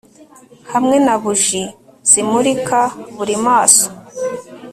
hamwe na buji zimurika buri maso ...